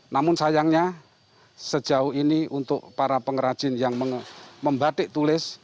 namun sayangnya sejauh ini untuk para pengrajin yang membatik tulis